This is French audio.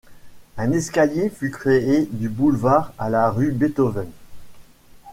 Un escalier fut créé du boulevard à la rue Beethoven.